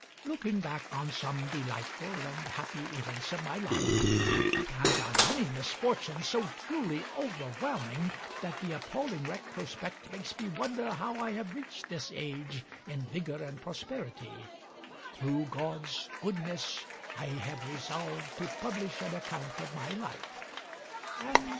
Looking back on some delightful and happy events of my life, and on many misfortunes so truly overwhelming that the appalling retrospect makes me wonder how I have reached this age in vigor and prosperity, through God's goodness I have resolved to publish an account of my life; and